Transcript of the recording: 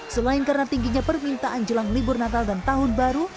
selain karena tingginya permintaan jelang libur natal dan tahun baru